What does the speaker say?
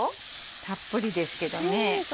たっぷりですけどね。